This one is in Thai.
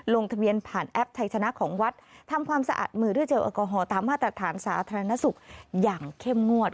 ลงทะเบียนผ่านแอปไทยชนะของวัดทำความสะอาดมือด้วยเจลแอลกอฮอลตามมาตรฐานสาธารณสุขอย่างเข้มงวด